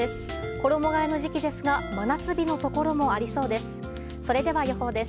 衣替えの時期ですが真夏日のところもありそうです。